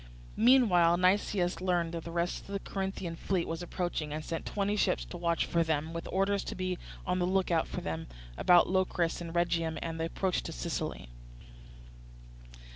Meanwhile Nicias learned that the rest of the Corinthian fleet was approaching, and sent twenty ships to watch for them, with orders to be on the look out for them about Locris and Rhegium and the approach to Sicily.